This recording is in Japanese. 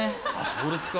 そうですか？